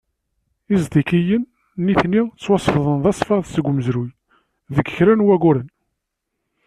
Iztikiyen, nitni, ttwasefḍen d asfaḍ seg umezruy deg kra n wayyuren.